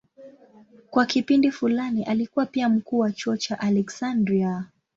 Kwa kipindi fulani alikuwa pia mkuu wa chuo cha Aleksandria.